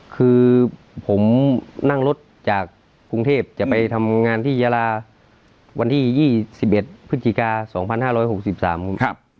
คือผมนั่งรถจากกรุงเทพจะไปทำงานที่ยาลาวันที่๒๑พฤศจิกา๒๕๖๓ครับ